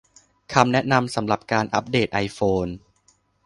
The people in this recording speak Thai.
คำแนะนำสำหรับการอัปเดตไอโฟน